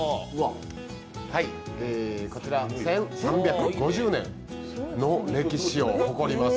３５０年の歴史を誇ります